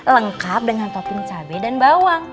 lengkap dengan topping cabai dan bawang